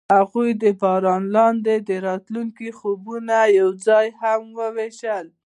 هغوی د باران لاندې د راتلونکي خوبونه یوځای هم وویشل.